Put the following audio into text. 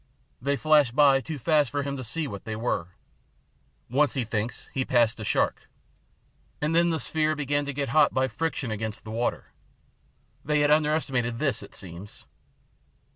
They flashed by too fast for him to see what they were. Once he thinks he passed a shark. And then the sphere began to get hot by friction against the water. They had underestimated this, it seems.